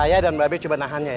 saya dan mbak abi coba nahannya ya